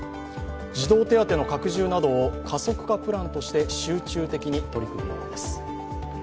児童手当の拡充などを加速化プランとして集中的に取り組むようです。